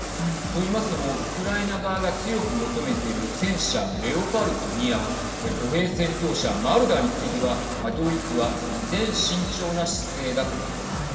といいますのも、ウクライナ側が強く求めている戦車レオパルト２や歩兵戦闘車マルダーについてはドイツは依然慎重な姿勢だからなんです。